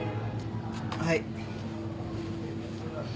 はい。